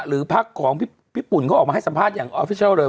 หรือภาคของพี่พี่ปุ่นก็ออกมาให้สัมภาษณ์อย่างเลย